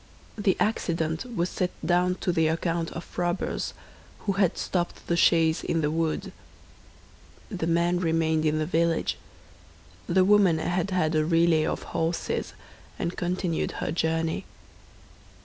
The accident was set down to the account of robbers, who had stopped the chaise in the wood. The man remained in the village; the woman had had a relay of horses, and continued her journey.